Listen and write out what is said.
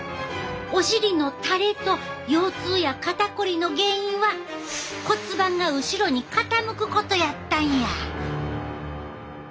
お尻のたれと腰痛や肩こりの原因は骨盤が後ろに傾くことやったんや。